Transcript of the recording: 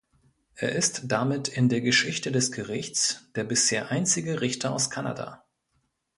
Er ist damit in der Geschichte des Gerichts der bisher einzige Richter aus Kanada.